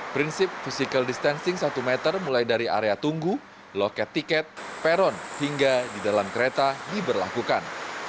prinsip physical distancing satu meter mulai dari area tunggu loket tiket peron hingga di dalam kereta diberlakukan